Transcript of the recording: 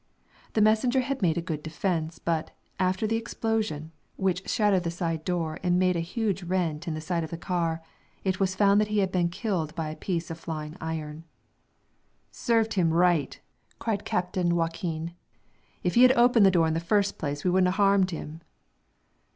The messenger had made a good defense, but, after the explosion, which shattered the side door and made a huge rent in the side of the car, it was found that he had been killed by a piece of the flying iron. "Served him right!" cried Captain Joaquin. "If he had opened the door in the first place we wouldn't 'a' harmed him."